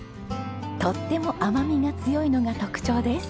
とっても甘みが強いのが特長です。